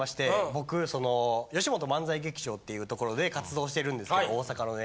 僕そのよしもと漫才劇場っていう所で活動してるんですけど大阪のね。